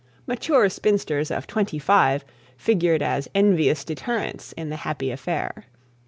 Mature spinsters of twenty five figured as envious deterrents in the happy affair.